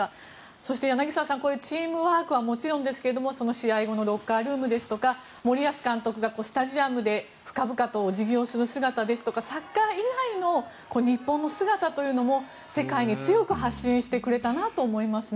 そして柳澤さんチームワークはもちろんですが試合後のロッカールームですとか森保監督がスタジアムで深々とお辞儀をする姿ですとかサッカー以外の日本の姿というのも世界に強く発信してくれたなと思いますね。